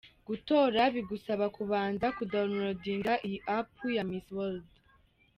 Gutora bigusaba kubanza kudownloadinga iyi App ya Miss World .